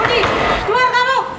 rudi keluar kamu